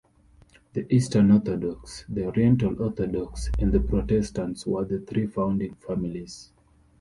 The Eastern Orthodox, the Oriental Orthodox and the Protestants were the three founding families.